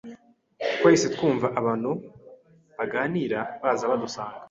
Twahise twumva abantu baganira baza badusanga,